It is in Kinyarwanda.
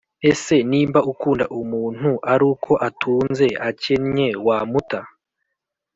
Ese nimba ukunda umuntu aruko atunze akenye wamuta